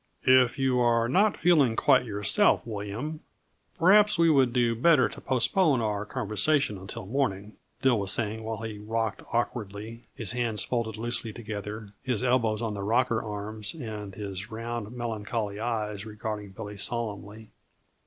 "If you are not feeling quite yourself, William, perhaps we would do better to postpone our conversation until morning," Dill was saying while he rocked awkwardly, his hands folded loosely together, his elbows on the rocker arms and his round, melancholy eyes regarding Billy solemnly.